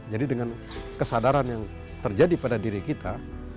jadi dengan kesadaran yang terjadi pada diri kita